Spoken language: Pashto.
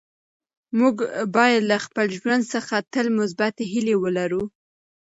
موږ باید له خپل ژوند څخه تل مثبتې هیلې ولرو.